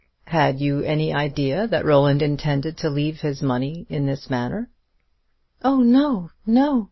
"Had you any idea that Roland intended to leave his money in this manner?" "Oh, no, no!